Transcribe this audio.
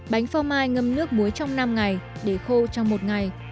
bánh phô mai ngâm nước muối trong năm ngày để khô trong một ngày